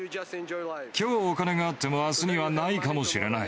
きょうお金があっても、あすにはないかもしれない。